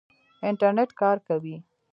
انټرنېټ کار کوي؟